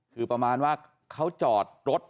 คือประมาณว่าเขาจอดรถ